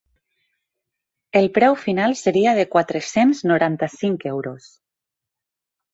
El preu final seria de quatre-cents noranta-cinc euros.